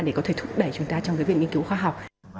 để có thể thúc đẩy chúng ta trong cái việc nghiên cứu khoa học